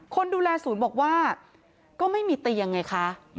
คนดูแลศูนย์บอกว่าก็ไม่มีเตียงไงคะ